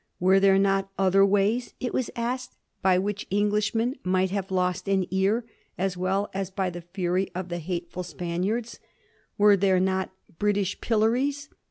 Were there not other ways, it was asked, by which Englishmen might have lost an ear as well as by the fury of the hateful Spaniards ? 1738. WALPOLE ALMOST ALONE. 159 Were there not British pillories